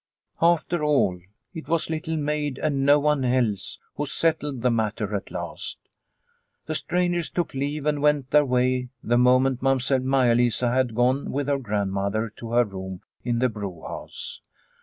After all, it was Little Maid and no one else who settled the matter at last. The strangers took leave and went their way the moment Mamsell Maia Lisa had gone with her grand mother to her room in the brewhouse.